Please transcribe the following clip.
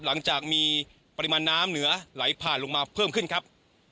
หลังจากมีปริมาณน้ำเหนือไหลผ่านลงมาเพิ่มขึ้นครับ